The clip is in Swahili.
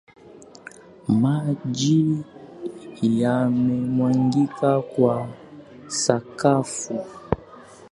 Maji yamemwagika kwa sakafu.